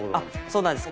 そうなんです。